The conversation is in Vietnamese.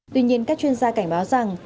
tuy nhiên các chuyên gia cảnh báo rằng